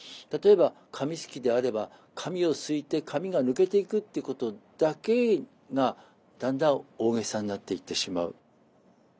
例えば髪梳きであれば髪を梳いて髪が抜けていくっていうことだけがだんだん大げさになっていってしまう。